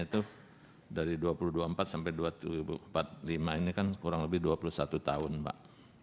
itu dari dua ribu dua puluh empat sampai dua ribu empat puluh lima ini kan kurang lebih dua puluh satu tahun pak